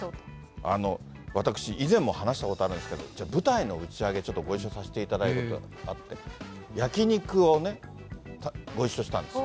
私、以前も話したことあるんですけど、舞台の打ち上げ、ちょっとご一緒させていただいたことがあって、焼き肉をね、ご一緒したんです。